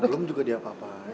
belum juga dia ke apaan